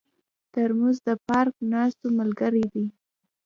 ترموز د پارک ناستو ملګری دی.